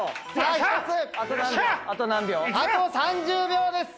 あと３０秒です。